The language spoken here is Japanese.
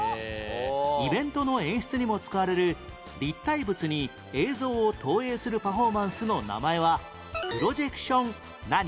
イベントの演出にも使われる立体物に映像を投影するパフォーマンスの名前はプロジェクション何？